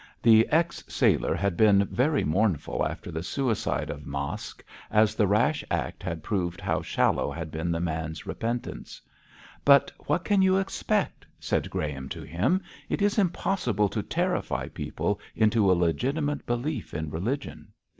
The ex sailor had been very mournful after the suicide of Mark, as the rash act had proved how shallow had been the man's repentance. 'But what can you expect?' said Graham, to him. 'It is impossible to terrify people into a legitimate belief in religion.'